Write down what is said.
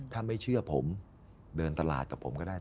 ถ้าไม่เชื่อผมเดินตลาดกับผมก็ได้